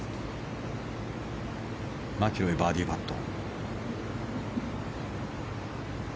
マキロイ、バーディーパット。